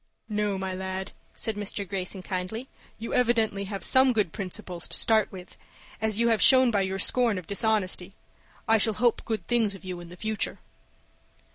"No, my lad," said Mr. Greyson, kindly. "You evidently have some good principles to start with, as you have shown by your scorn of dishonesty. I shall hope good things of you in the future."